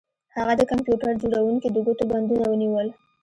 هغه د کمپیوټر جوړونکي د ګوتو بندونه ونیول